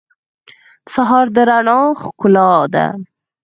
سهار د رڼا ښکلا ده.